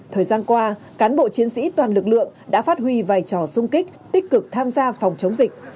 thời gian qua cán bộ chiến sĩ toàn lực lượng đã phát huy vai trò sung kích tích cực tham gia phòng chống dịch